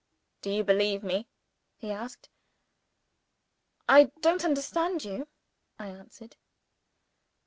"Do you believe me?" he asked. "I don't understand you," I answered.